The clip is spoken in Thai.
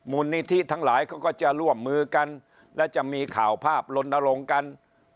มูลนิธิทั้งหลายเขาก็จะร่วมมือกันและจะมีข่าวภาพลนลงกัน